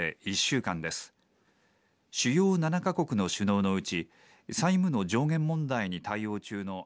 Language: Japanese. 主要７か国の首脳のうち債務の上限問題に対応中の」。